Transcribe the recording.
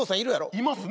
いますね。